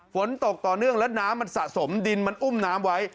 ฝนตกต่อเนื่องและน้ำมันสะสมดินมันอุ้มน้ำไว้